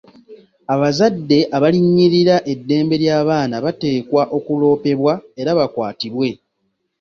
Abazadde abalinnyirira eddembe ly'abaana bateekwa okuloopebwa era bakwatibwe.